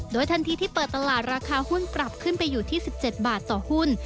โดยทันทีที่เปิดตลาดราคาหุ้นปรับขึ้นไปอยู่ที่๑๗บาทต่อหุ้น